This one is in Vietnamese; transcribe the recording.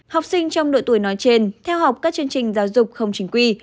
học sinh trong độ tuổi nói trên theo học các chương trình giáo dục không chính quy